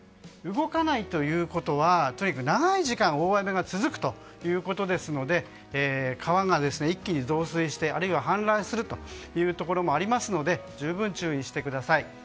動かないということは長い時間大雨が続くということですので川が一気に増水してあるいは氾濫するところもありますので十分注意してください。